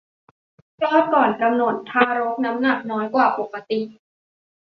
คลอดก่อนกำหนด ทารกน้ำหนักน้อยกว่าปกติ